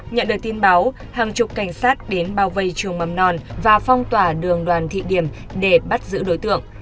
nhận được tin báo hàng chục cảnh sát đến bao vây trường mầm non và phong tỏa đường đoàn thị điểm để bắt giữ đối tượng